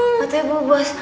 apa tadi ibu bos